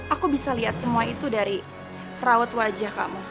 aku bisa lihat semua itu dari rawat wajah kamu